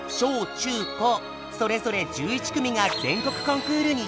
中高それぞれ１１組が全国コンクールに出場。